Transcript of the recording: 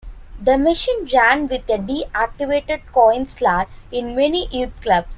The machine ran with a deactivated coin slot in many youth clubs.